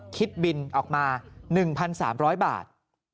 คิดบินออกมา๑๓๐๐บาท